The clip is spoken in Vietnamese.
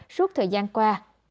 suốt thời gian qua